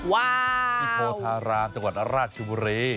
ว่าที่โพธารามจังหวัดราชบุรี